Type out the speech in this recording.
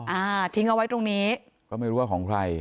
อ่าทิ้งเอาไว้ตรงนี้ก็ไม่รู้ว่าของใคร